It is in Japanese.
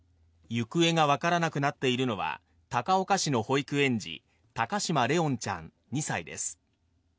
行方がわからなくなっているのは高岡市の保育園児・高嶋怜音ちゃん、２歳です。